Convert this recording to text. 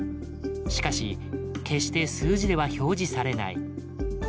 しかし決して数字では表示されない。